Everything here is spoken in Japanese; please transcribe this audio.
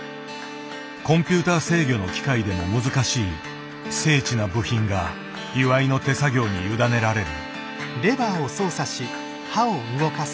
コンピューター制御の機械でも難しい精緻な部品が岩井の手作業に委ねられる。